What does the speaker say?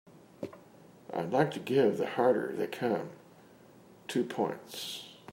I'd like to give The Harder They Come two points